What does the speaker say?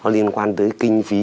liên quan tới kinh phí